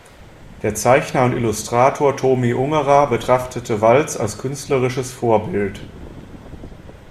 Der Zeichner und Illustrator Tomi Ungerer betrachtete Waltz als künstlerisches Vorbild.